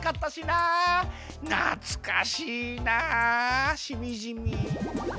なつかしいなしみじみ。